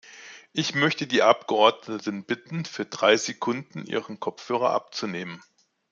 Ich möchte die Abgeordneten bitten, für drei Sekunden ihre Kopfhörer abzunehmen.